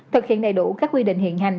thực hiện đầy đủ các quy định hiện hành